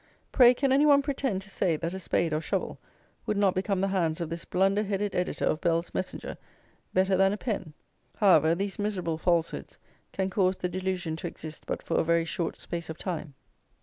Pray can any one pretend to say that a spade or shovel would not become the hands of this blunder headed editor of Bell's Messenger better than a pen? However, these miserable falsehoods can cause the delusion to exist but for a very short space of time.